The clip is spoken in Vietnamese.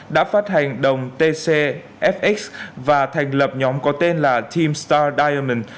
đã phát hành đồng tcfx và thành lập nhóm có tên là team star diamond